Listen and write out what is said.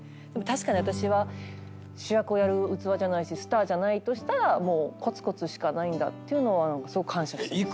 確かに私は主役をやる器じゃないしスターじゃないとしたらもうコツコツしかないんだっていうのはすごく感謝してます。